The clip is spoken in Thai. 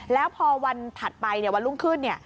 แล้วพอวันถัดไปวันรุ่งขึ้น